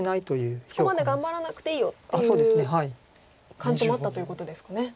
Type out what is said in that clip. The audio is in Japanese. そこまで頑張らなくていいよという感じもあったということですかね。